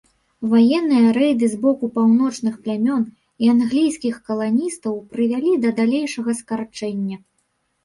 Ваенныя рэйды з боку паўночных плямён і англійскіх каланістаў прывялі да далейшага скарачэння.